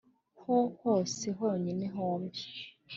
ho hose honyine hombi -